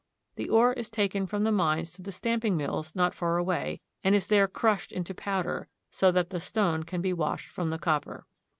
The ore is taken from the mines to the stamping mills not far away, and is there crushed into powder, so that the stone can be washed from the copper.